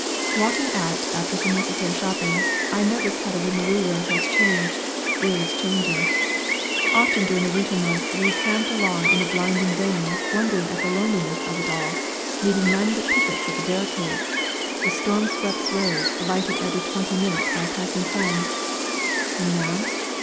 Walking out after some necessary shopping, I noticed how the Wimereux road has changed is changing. Often during the winter months we tramped along in the blinding rain wondering at the loneliness of it all, meeting none but pickets at the barricades, the storm swept roads lighted every twenty minutes by a passing tram! And now?